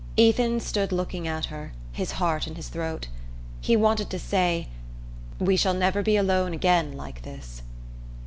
Ethan stood looking at her, his heart in his throat. He wanted to say: "We shall never be alone again like this."